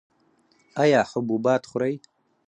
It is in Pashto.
ایا حبوبات خورئ؟